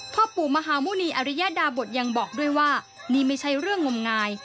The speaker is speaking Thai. พ่อปู่มหาหมุณีอริยดาบทยังบอกด้วยว่านี่ไม่ใช่เรื่องงมงาย